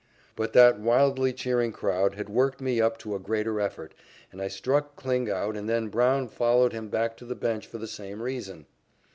But that wildly cheering crowd had worked me up to greater effort, and I struck Kling out and then Brown followed him back to the bench for the same reason.